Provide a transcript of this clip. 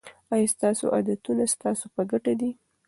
آیا ستاسو عادتونه ستاسو په ګټه دي.